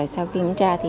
sau khi kiểm tra